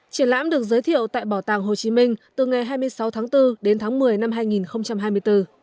triển lãm được giới thiệu tại bảo tàng hồ chí minh từ ngày hai mươi sáu tháng bốn đến tháng một mươi năm hai nghìn hai mươi bốn